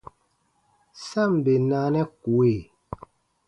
Sa ǹ bè naanɛ kue.